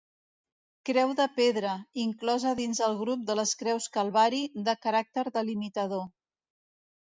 Creu de pedra, inclosa dins el grup de les creus calvari, de caràcter delimitador.